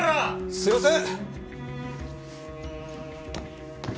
すいません！